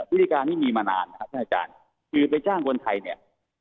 วิธีการนี้มีมานานนะครับท่านอาจารย์คือไปจ้างคนไทยเนี่ย